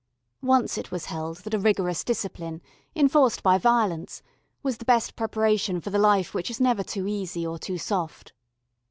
Once it was held that a rigorous discipline, enforced by violence, was the best preparation for the life which is never too easy or too soft.